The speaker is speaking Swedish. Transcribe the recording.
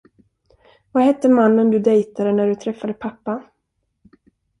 Vad hette mannen du dejtade när du träffade pappa?